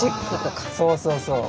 そうそうそう。